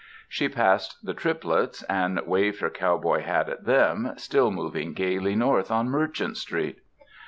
She passed the Tripletts and waved her cowboy hat at them, still moving gaily north on Merchant Street.